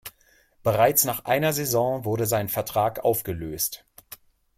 Bereits nach einer Saison wurde sein Vertrag aufgelöst.